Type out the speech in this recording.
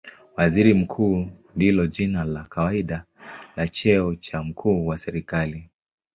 Waziri Mkuu ndilo jina la kawaida la cheo cha mkuu wa serikali.